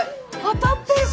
当たってる！